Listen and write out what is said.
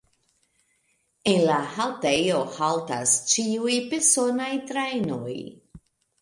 En la haltejo haltas ĉiuj personaj trajnoj.